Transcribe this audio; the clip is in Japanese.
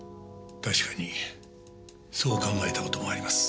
確かにそう考えたこともあります。